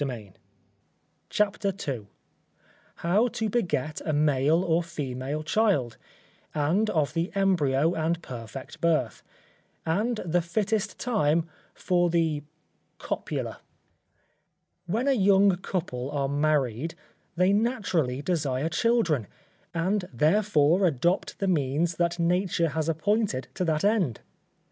CHAPTER II How to beget a male or female child; and of the Embryo and perfect Birth; and the fittest time for the copula. When a young couple are married, they naturally desire children; and therefore adopt the means that nature has appointed to that end.